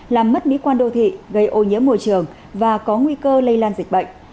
làm mất mỹ quan đô thị gây ô nhiễm môi trường và có nguy cơ lây lan dịch bệnh